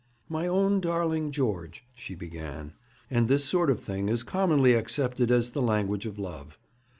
'My own darling George,' she began; and this sort of thing is commonly accepted as the language of love.